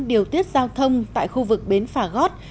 điều tiết giao thông tại khu vực bến phà gót